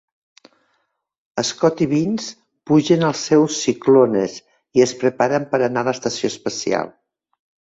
Scott i Vince pugen als seus Cyclones i es preparen per anar a l'estació espacial.